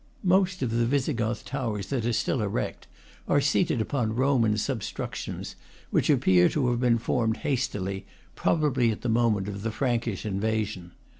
Most of the Visigoth towers that are still erect are seated upon Roman sub structions which appear to have been formed hastily, probably at the moment of the Frankish invasion.